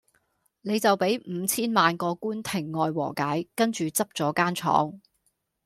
你就比五千萬個官庭外和解，跟住執左間廠